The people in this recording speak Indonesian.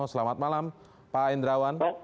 selamat malam pak hendrawan